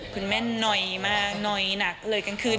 คุณแม่หน่อยมากหน่อยหนักเลยกลางคืน